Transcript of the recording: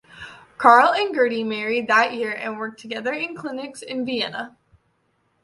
Carl and Gerty married that year and worked together in clinics in Vienna.